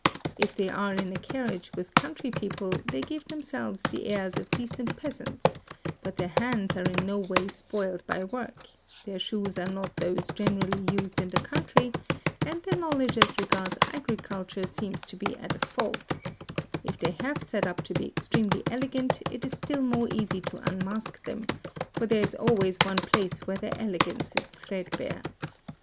If they are in a carriage with country people they give themselves the airs of decent peasants, but their hands are in no way spoiled by work, their shoes are _ not those generally used in the country, and their knowledge as regards agriculture seems to be at fault; if they have set up to be extremely _ elegant it is still more easy to unmask them, for there is always one place where their elegance is threadbare.